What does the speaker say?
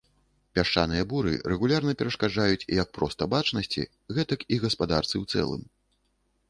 Пясчаныя буры рэгулярна перашкаджаюць як проста бачнасці, гэтак і гаспадарцы ў цэлым.